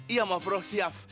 iya maaf roh siap